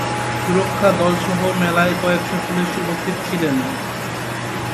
সুরক্ষা দলসহ মেলায় কয়েকশো পুলিশ উপস্থিত ছিলেন।